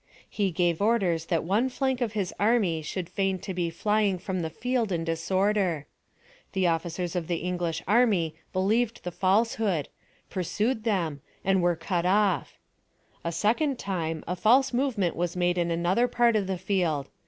He gave orders that one flank of his army should fain to be flying from the field in disorder. The ofllcers of tiie English army be lieved the filsehood, pursued them, and were cut olF. A second time, a folse movement was made in another part of the field.